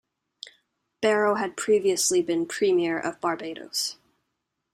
Barrow had previously been Premier of Barbados.